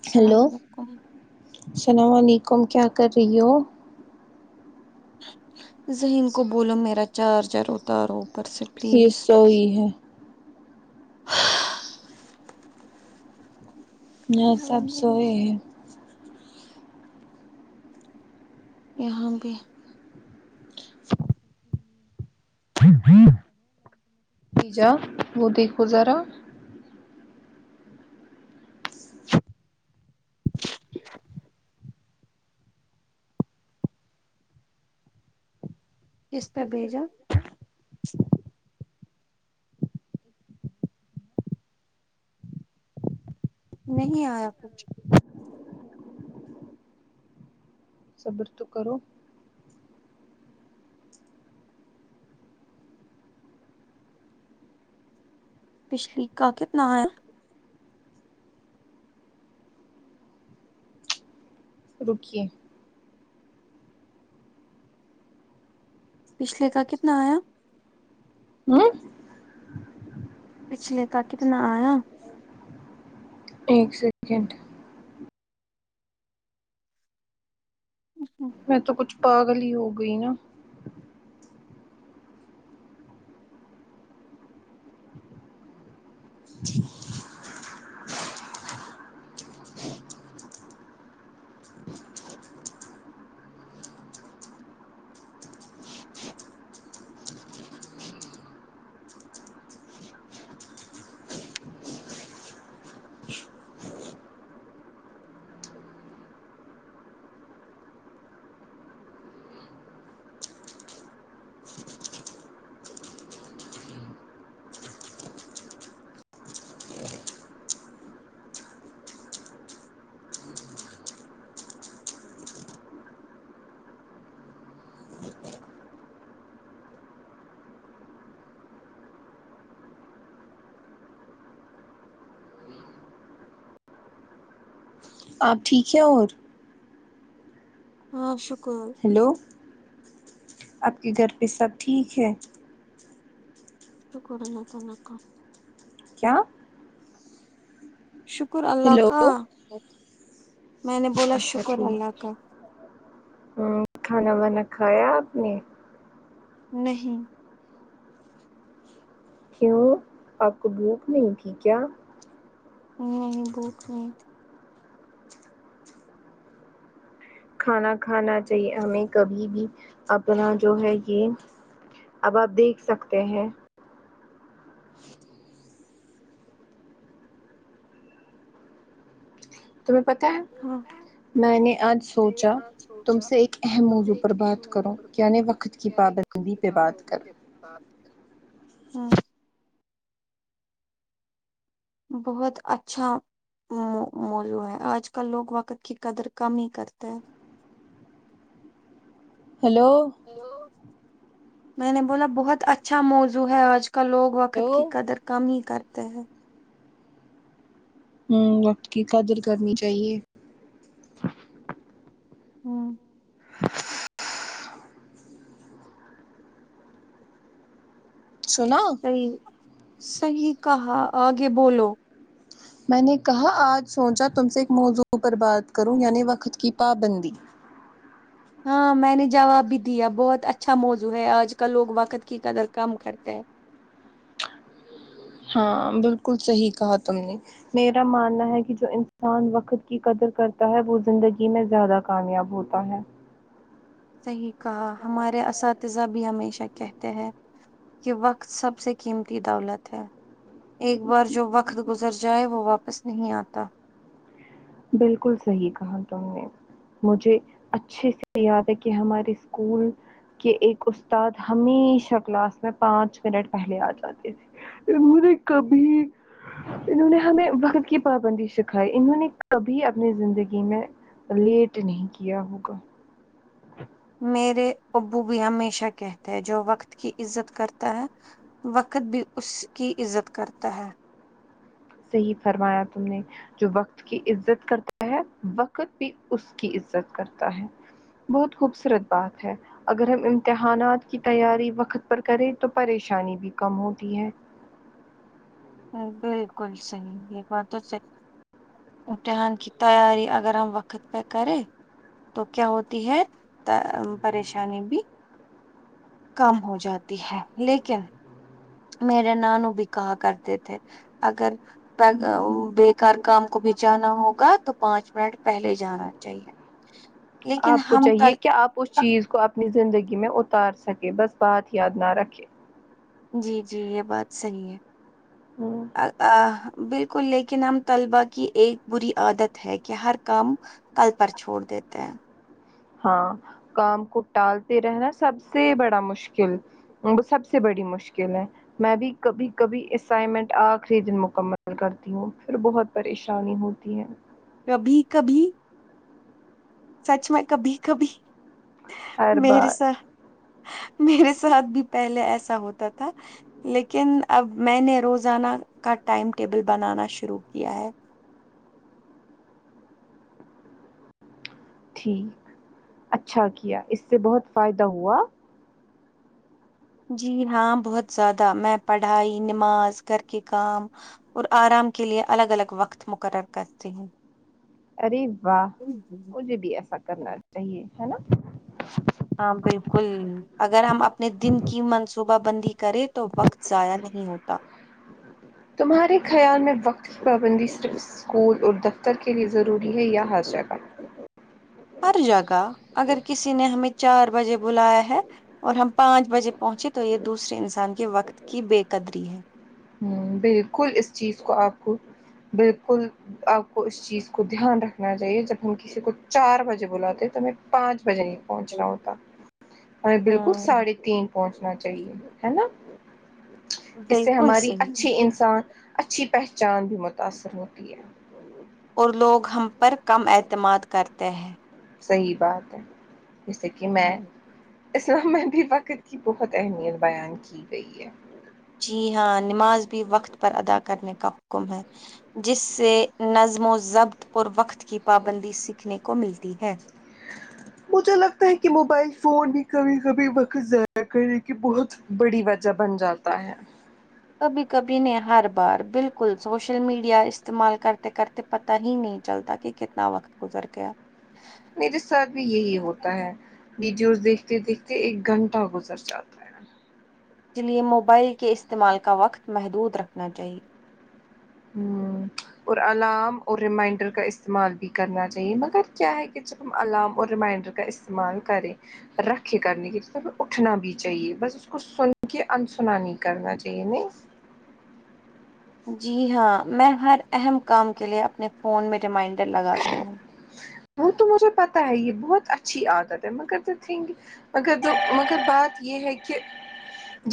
سلام و علیکم سلام و علیکم کیا کر رہی ہو ذہین کو بولو میرا چارجر اتارو اوپر سے سیر پلیز سویی ہے یہاں سب سوئے ہے یہاں بھی ج جا وہ دیکھو ذرا کس پہ بیجا نہیں آیا کچھ صبر تو کرو پچھلی کا کتنا ہے رکیے پچھلے کا کتنا آیا ہمم پچھلے کا کتنا آیا ایک سیکنڈ میں تو کچھ پاگل ہی ہو گئی نا آپ ٹھیک ہیں اور ہاں شکر ہیلو آپ کے گھر پہ سب ٹھیک ہے شوکر ہے اللہ تعالی کا کیا شکر اللہ ہیلو کا میں نے بولا اچھا شکر ٹھیک اللہ کا ہوں کھانا وانا کھایا آپ نے نہیں کیوں آپ کو بھوک نہیں ہے کیا نہیں بھوک نئی کھانا کھانا چاہیے ہمیں کبھی بھی اپنا جو ہے یہ اب آپ دیکھ سکتے ہیں تمہیں پتا ہے تھی ہاں میں نے آج میں نے سوچا آج تم سوچا سے ایک اہم تم نے موضوع پر ایک بات کرو یعنی وقت کی پابندی پہ بات کروں [inaudible] ھمم بہت اچھا مو مولو ہے آج کل لوگ وقت کی قدر کم ہی کرتے ہیں ہیلو ہیلو میں نے بولا بہت اچھا موضوع ہے آج کل لوگ وقت ہیلو کی قدر کم ہی کرتے ہیں ہمم وقت کی قدر کرنی چاہیے ہمم سنا صحیح صحیح کہا آگے بولو میں نے کہا آج سوچا تم سے ایک موضوع پر بات کروں یعنی وقت کی پابندی ہاں میں نے جواب بھی دیا بہت اچھا موضوع ہے آج کل لوگ وقت کی قدر کم کرتے ہیں ہاں بالکل صحیح کہا تم نے میرا ماننا ہے کہ جو انسان وقت کی قدر کرتا ہے وہ زندگی میں زیادہ کامیاب ہوتا ہے صحیح کہا ہمارے اساتذہ بھی ہمیشہ کہتے ہیں یہ وقت سب سے قیمتی دولت ہے ایک بار جو وقت گزر جائے وہ واپس نہیں آتا بالکل صحیح کہا تم نے مجھے اچھے سے یاد ہے کہ ہمارے اسکول کہ ایک استاد ہمیشہ کلاس میں پانچ منٹ پہلے آ جاتے تھے انہوں نے کبھی انہوں نے ہمیں وقت کی پابندی سکھائی انہوں نے کبھی اپنی زندگی میں لیٹ نہیں کیا ہوگا میرے ابو بھی ہمیشہ کہتے ہیں جو وقت کی عزت کرتا ہے وقت بھی اس کی عزت کرتا ہے صحیح فرمایا تم نے جو وقت کی عزت کرتا ہے وقت بھی اس کی عزت کرتا ہے بہت خوبصورت بات ہے اگر ہم امتحانات کی تیاری وقت پر کریں تو پریشانی بھی کم ہوتی ہے بالکل صحی یہ بات تو سحی امتحان کی تیاری اگر ہم وقت پہ کرے تو کیا ہوتی ہے پریشانی بھی کم ہو جاتی ہے لیکن میرے نانو بھی کہا کرتے تھے اگر بےیکار کام کو بچانا ہوگا تو پانچ منٹ پہلے جانا چاہیے تی ہے آپ کو چاہیے کہ آپ اس چیز کو اپنی زندگی میں اتار سکے بس بات یاد نہ رکھے جی جی یے بات صحیح ہے آمم آ آ بالکل لیکن ہم طلبا کی ایک بری عادت ہے کہ ہر کام کل پر چھوڑ دیتے ہیں ہاں کام کو ٹالتے رہنا سب سے بڑا مشکل وہ سب سے بڑی مشکل ہے میں بھی کبھی کبھی اسائنمنٹ آخری دن مکمل کرتی ہوں پھر بہت پریشانی ہوتی ہے کبھی کبھی سچ میں کبھی کبھی ہر میرے بار سا میرے ساتھ بھی پہلے ایسا ہوتا تھا لیکن اب میں نے روزانہ کا ٹائم ٹیبل بنانا شروع کیا ہے ٹھیک اچھا کیا اس سے بہت فائدہ ہوا جی ہاں بہت زیادہ میں پڑھائی نماز گھر کے کام اور آرام کے لیے الگ الگ وقت مقرر کرتے ہیں ارے واہ مجھے بھی ایسا کرنا چاہیے ہے نا ہاں بالکل اگر ہم اپنے دن کی منصوبہ بندی کریں تو وقت ضایع نہیں ہوتا تمہارے خیال میں وقت پابندی صرف اسکول اور دفتر کے لیے ضروری ہے یا ہر جگہ ہر جگہ اگر کسی نے ہمیں چار بجے بلایا ہے اور ہم پانچ بجے پہنچے تو یے دوسرے انسان کے وقت کی بے قدری ہے بالکل اس چیز کو آپ کو بالکل اپ کو اس چیز کو دھیان رکھنا چاہیے جب ہم کسی کو چار بجے بلاتے تو میں پانچ بجے پہنچ رہا ہوتا ہمیں بالکل ہاں ساڑھے تین پہنچنا چاہیے ہے نا اس سے بالکل ہماری اچ صحیح انسان اچھی پہچان بھی متاثر ہوتی ہے اور لوگ ہم پر کم اعتماد کرتے ہیں صحیح بات ہے جیسے کی میں ہوں، اسلام میں بھی وقت کی بہت اہمیت بیان کی گئی ہے جی ہاں نماز بھی وقت پر ادا کرنے کا حکم ہے جس سے نظم و ضبط پر وقت کی پابندی سیکھنے کو ملتی ہے مجھے لگتا ہے کی موبائل فون بھی کبھی کبھی وقت ضائع کرنے کی بہت بڑی وجہ بن جایتا تا ہے کبھی کبھی نے ہر بار بالکل سوشل میڈیا استعمال کرتے کرتے پتا ہی نہیں چلتا کی کتنا وقت گزر گیا میرے ساتھ بھی یہی ہوتا اس ہے ویڈیوز دیکھتے دیکھتے ایک گھنٹہ گزر جاتا ہے جے لیے موبائل کے استعمال کا وقت محدود رکھنا چاہیے آمم اور علام اور ریمائنڈر کا استعمال بھی کرنا چاہیے مگر کیا ہے کہ جب علام اور ریمائنڈر کا استعمال کریں رکھکے کرنی سب اٹھنا بھی چاہیے بس اس کو سن کے ان سنا نہیں کرنا چاہیے نہیں جی ہاں میں ہر اہم کام کے لیے اپنے فون میں ریمائنڈر لگاتی ہوں وہ تو مجھے پتاہ ہے یے بہت اچھی عادت ہے مگر دا تھنگ اگر دو مگر بات یے ہے کہ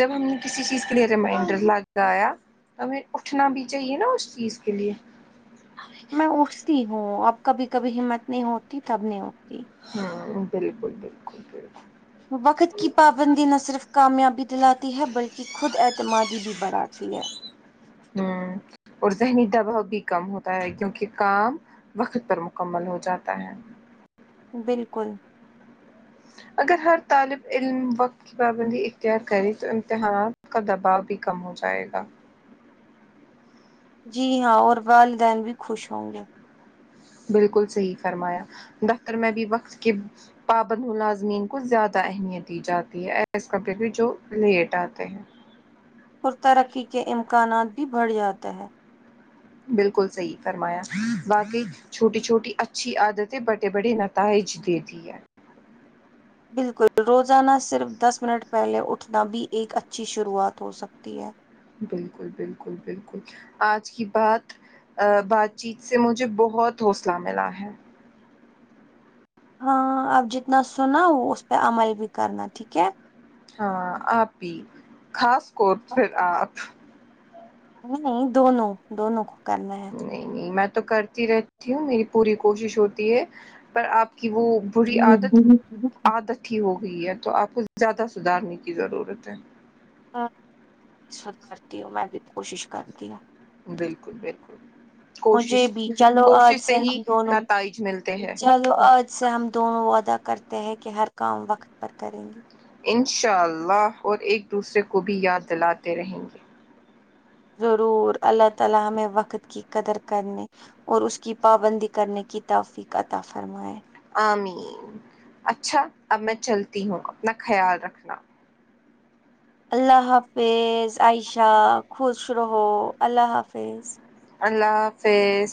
جب ہم نے کسی چیز کے لے ریمائنڈر لگایا تو ہمیں اٹھنا بھی چاہیے نا اس چیز کے لے ہمیں میں اٹھتی ہوں اب کبھی کبھی ہمت نہیں ہوتی تب نہیں اٹھتی ہاں بالکل بالکل بالکل وقت کی پابندی نہ صرف کامیابی دلاتی ہے بلکی خود اعتمادی بھی بڑھاتی ہے ہمم اور ذہنی دباؤ بھی کم ہوتا ہے کیو کی کام وقت پر مکمل ہو جاتا ہے بالکل اگر ہر طالب علم وقت پابندی اختیار کریں کرے تو امتحانات کا دباؤ بھی کم ہو جائے گا جی ہاں اور والدین بھی خوش ہوں گے بالکل صحیح فرمایا دفتر میں بھی وقت کے پابند ملازمین کو زیادہ اہمیت دی جاتی ہے ایز کمپیر پے جو لیٹ اتے ہے اور ترکی کے امکانات بھی بڑھ جاتے ہے بالکل صحیح فرمایا باکی چھوٹی چھوٹی اچھی عادتیں بڑے بڑے نتائج دیتی ہے بالکل روزانہ صرف دس منٹ پہلے اٹھنا بھی ایک اچھی شروعات ہو سکتی ہے بالکل بالکل بالکل آج کی بات بات چیت سے مجھے بہت حوصلہ ملا ہے ہاں اب جتنا سناؤ اس پے عمل بھی کرنا ٹھیک ہے ہاں آپ بی خاص کور پھر آپ نہیں نہیں دونوں دونوں کو کرنا ہے نہیں نہیں میں تو کرتی رہتی ہوں میری پوری کوشش ہوتی ہے پر آپ کی وہ بری عادت عادت ہی ہو گئی ہے تو آپ کو زیادہ سدھارنے کی ضرورت ہے ہاں سدھارتی ہو میں بھی کوشش کرتی ہوں بالکل بالکل مجھے کوشش بھی چلو آج کوشش سے ہم ہی دونوں نتائج ملتے ہیں چلو آج سے ہم دونوں وعدہ کرتے ہیں کہ ہر کام وقت پر کریں گے انشاء اللہ اور ایک دوسرے کو بھی یاد دلاتے رہیں گے ضرور اللہ تعا لی ہم وقت کی قدر کرنے اور اس کی پابندی کرنے کی توفیق عطا فرمائے آمین اچھا اب میں چلتی ہوں اپنا خیال رکھنا اللہ حافظ عائشہ خوش رہو اللہ حافظ اللہ حافظ